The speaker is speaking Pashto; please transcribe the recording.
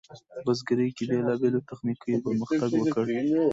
په بزګرۍ کې بیلابیلو تخنیکونو پرمختګ وکړ.